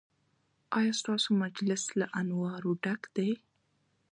ایا ستاسو مجلس له انوارو ډک دی؟